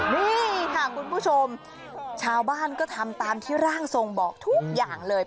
นี่ค่ะคุณผู้ชมชาวบ้านก็ทำตามที่ร่างทรงบอกทุกอย่างเลย